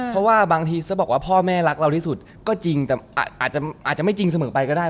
เพราะว่าบางทีถ้าบอกว่าพ่อแม่รักเราที่สุดก็จริงแต่อาจจะไม่จริงเสมอไปก็ได้